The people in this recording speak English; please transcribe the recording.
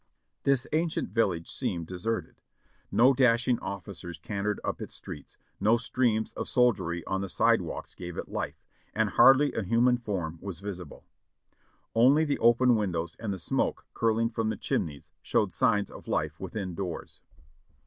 This ancient village seemed deserted. No dashing officers cantered up its streets, no streams of soldiery on the sidewalks gav.e it life, and hardly a human form was visible ; only the open windows and the smoke curling from the chimneys showed signs of life within doors.